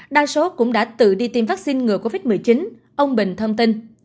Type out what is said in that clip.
đa số cũng đã tự đi tiêm vaccine ngừa covid một mươi chín ông bình thông tin